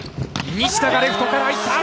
西田がレフトから行った！